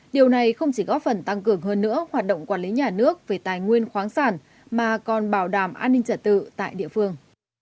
điều này không chỉ góp phần tăng cường hơn nữa hoạt động quản lý nhà nước về tài nguyên khoáng sản mà còn bảo đảm an ninh trật tự tại địa phương